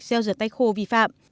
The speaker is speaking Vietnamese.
gel rửa tay khô vi phạm